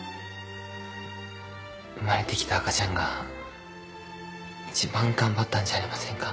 生まれてきた赤ちゃんがいちばん頑張ったんじゃありませんか？